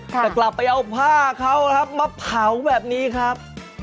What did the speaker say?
แต่กลับไปเอาผ้าเขานะครับมาเผาแบบนี้ครับ